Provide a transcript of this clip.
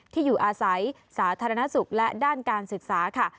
ที่อยู่อาศัยสาธารณสุขและด้านการศึกษาค่ะ